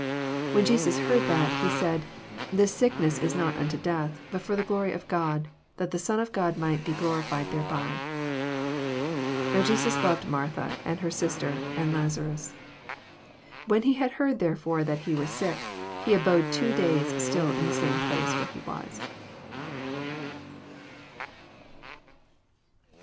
4 When Jesus heard that, he said. This sickness is not unto death, but for the glory of God, that the Son of God might be glorified thereby. 6 Now Jesus loved Martha, and her sister, and Lazarus. 6 When he had heard therefore thai he was sick, he abode two days still in the same place where he waa. 228 EXP08IT0BT THOUGHTS.